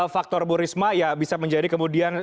faktor bu risma ya bisa menjadi kemudian